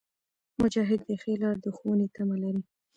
مجاهد د ښې لارې د ښوونې تمه لري.